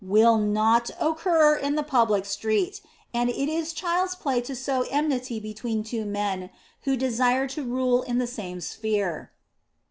"Will not occur in the public street, and it is child's play to sow enmity between two men who desire to rule in the same sphere.